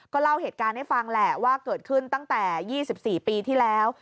เล่าเหตุการณ์ให้ฟังแหละว่าเกิดขึ้นตั้งแต่๒๔ปีที่แล้ว